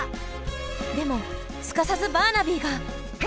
でもすかさずバーナビーが。